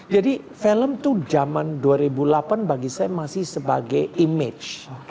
jadi film tuh jaman dua ribu delapan bagi saya masih sebagai image